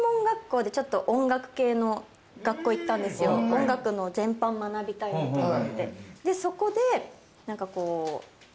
音楽の全般を学びたいなと思って。